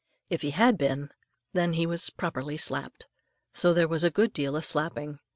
If he had been, then he was properly slapped. So there was a good deal of slapping.